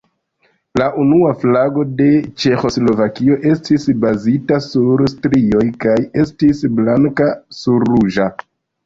La unua flago de Ĉeĥoslovakio estis bazita sur strioj, kaj estis blanka sur ruĝa.